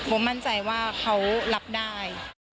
ผมมั่นใจว่าเขารับได้